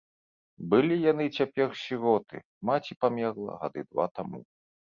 Былі яны цяпер сіроты, маці памерла гады два таму.